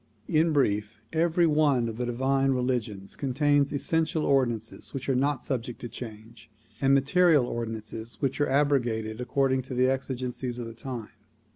In brief; every one of the divine religions contains essential ordinances which are not subject to change, and material ordinances which are abrogated according to the exigencies of time.